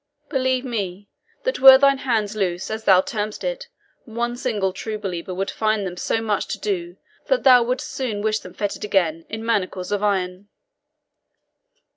Believe me, that were thine hands loose, as thou term'st it, one single true believer would find them so much to do that thou wouldst soon wish them fettered again in manacles of iron."